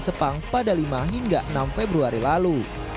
sepang pada lima hingga enam februari lalu